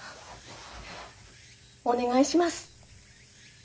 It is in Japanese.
お願いします！